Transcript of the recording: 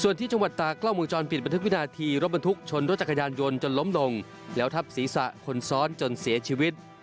ส่วนที่จังหวัดตากล้องมือจรปิดบันทึกวินาทีรถบรรทุกชนรถจักรยานยนต์จนล้มลงแล้วทับศีรษะคนซ้อนจนเสียชีวิต